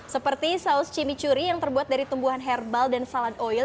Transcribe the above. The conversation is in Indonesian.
seperti saus cimicuri yang terbuat dari tumbuhan herbal dan salad oil